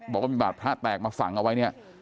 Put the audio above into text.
บอกว่ามีบาดพระแตกมาฝังเอาไว้เนี่ย